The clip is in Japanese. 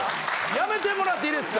やめてもらっていいですか？